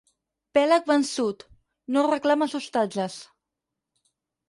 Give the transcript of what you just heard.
Pèlag vençut, no reclames ostatges.